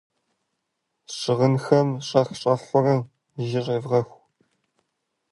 Щыгъынхэм щӀэх-щӀэхыурэ жьы щӏевгъэху.